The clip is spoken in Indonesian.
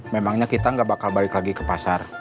memangnya kita nggak bakal balik lagi ke pasar